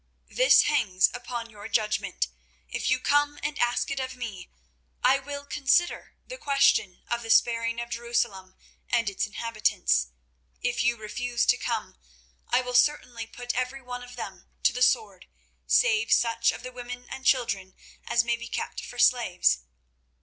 This hangs upon your judgment. If you come and ask it of me, I will consider the question of the sparing of Jerusalem and its inhabitants. If you refuse to come, I will certainly put every one of them to the sword, save such of the women and children as may be kept for slaves.